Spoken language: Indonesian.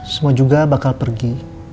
semua juga bakal pergi